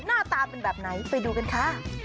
หน้าตาเป็นแบบไหนไปดูกันค่ะ